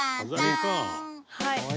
はい。